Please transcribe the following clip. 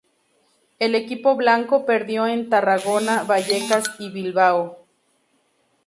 El equipo blanco perdió en Tarragona, Vallecas y Bilbao.